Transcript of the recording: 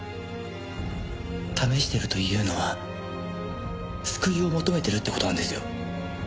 試してるというのは救いを求めてるって事なんですよ。